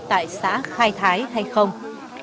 tại xã khai thái hay không